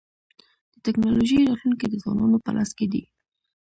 د ټکنالوژۍ راتلونکی د ځوانانو په لاس کي دی.